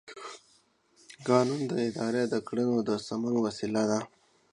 قانون د ادارې د کړنو د سمون وسیله ده.